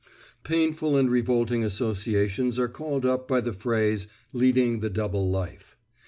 Painful and revolting associations are called up by the phrase "leading the double life."